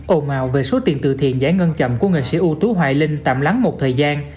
ồn ào về số tiền từ thiện giải ngân chậm của nghệ sĩ ưu tú hoài linh tạm lắng một thời gian